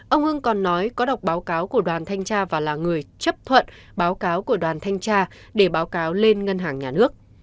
ông hưng còn nói có đọc báo cáo của đoàn thanh tra và là người chấp thuận báo cáo của đoàn thanh tra để báo cáo lên ngân hàng nhà nước